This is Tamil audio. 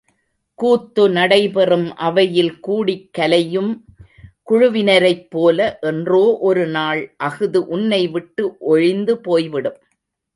கூத்து நடைபெறும் அவையில் கூடிக்கலையும் குழுவினரைப் போல என்றோ ஒருநாள் அஃது உன்னைவிட்டு ஒழிந்து போய்விடும்.